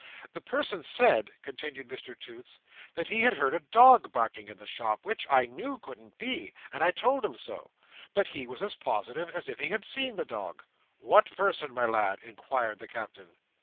"The person said," continued Mr Toots, "that he had heard a dog barking in the shop: which I knew couldn't be, and I told him so. But he was as positive as if he had seen the dog." "What person, my lad?" inquired the Captain.